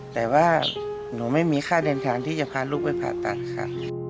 แต่ว่าหนูไม่มีค่าเดินทางที่จะพาลูกไปผ่าตัดค่ะ